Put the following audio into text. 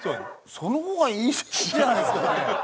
その方がいいんじゃないですかね。